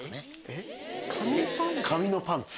紙パンツ？